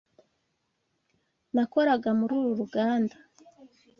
Nakoraga muri uru ruganda.